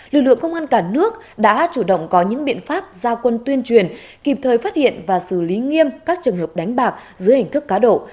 lực lượng công an cả nước đã chủ động có những biện pháp gia quân tuyên truyền kịp thời phát hiện và xử lý nghiêm các trường hợp đánh bạc dưới hình thức cá độ